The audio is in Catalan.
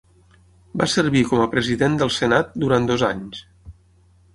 Va servir com a President del Senat durant dos anys.